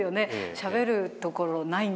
「しゃべるところないんですか？」